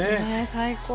最高。